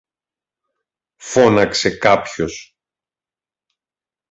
φώναξε κάποιος.